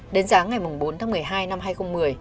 đến sáng ngày bốn tháng một mươi hai năm hai nghìn một mươi